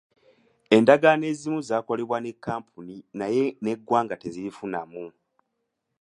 Endagaano ezimu zaakolebwa ne kkampuni naye ng’eggwanga terizifunamu.